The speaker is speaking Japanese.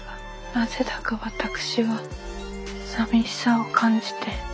なぜだか私は寂しさを感じて。